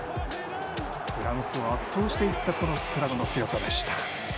フランスを圧倒したスクラムの強さでした。